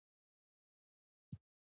يوه ډله ايکس او بله وايي.